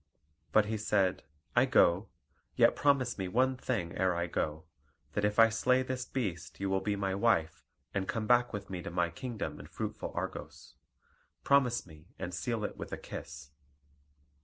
But he said: "I go; yet promise me one thing ere I go: that if I slay this beast you will be my wife, and come back with me to my kingdom in fruitful Argos. Promise me, and seal it with a kiss."